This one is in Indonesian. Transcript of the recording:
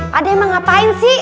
pak deh emang ngapain sih